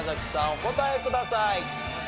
お答えください。